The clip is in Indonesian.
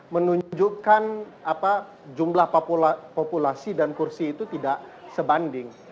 menunjukkan jumlah populasi dan kursi itu tidak sebanding